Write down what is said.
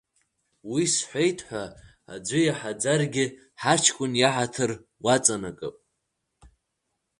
Уи сҳәеит ҳәа, аӡәы иаҳаӡаргьы ҳаҷкәын иаҳаҭыр уаҵанакып.